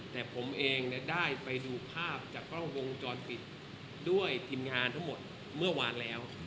แต่ผมเองได้ไปดูภาพจากกล้องวงจรปิดด้วยทีมงานทั้งหมดเมื่อวานแล้ว